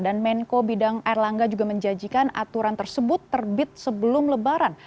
menko bidang erlangga juga menjanjikan aturan tersebut terbit sebelum lebaran